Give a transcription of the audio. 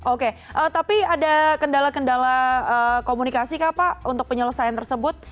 oke tapi ada kendala kendala komunikasi kah pak untuk penyelesaian tersebut